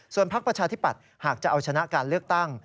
พักประชาธิปัตย์หากจะเอาชนะการเลือกตั้ง